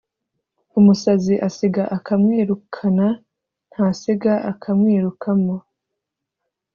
Umusazi asiga akamwirukana, ntasiga akamwirukamo.